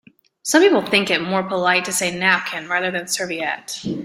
Some people think it more polite to say napkin rather than serviette